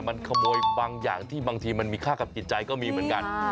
มันขโมยบางอย่างที่มีค่ากับกิจใจก็มีเหมือนกัน